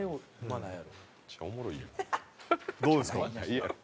どうですか？